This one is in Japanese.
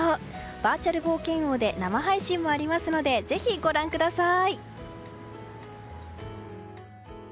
バーチャル冒険王で生配信もありますのでぜひご覧ください！